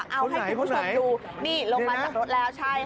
เอาให้คุณผู้ชมดูนี่ลงมาจากรถแล้วใช่ค่ะ